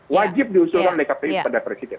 wajib diusulkan oleh kpu kepada presiden